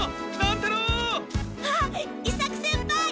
あっ伊作先輩！